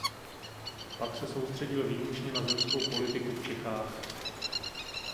Pak se soustředil výlučně na zemskou politiku v Čechách.